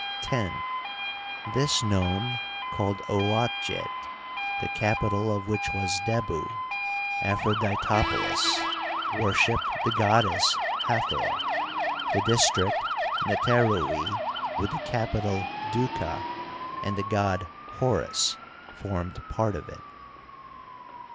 X. This nome, called Ouatjet, the capital of which was Debu {Aphro* ditopolis), worshiped the goddess Hathor ; the district Neterui, with the capital Duqa and the god Horns, formed part of it.